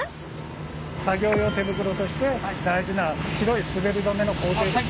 作業用手袋として大事な白いすべり止めの工程です。